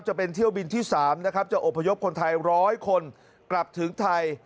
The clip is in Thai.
จะเป็นเที่ยวบินที่๓นะครับจะอบพยพคนไทย๑๐๐คนกลับถึงไทย